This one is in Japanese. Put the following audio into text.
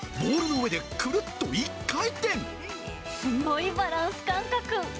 うん、すごいバランス感覚。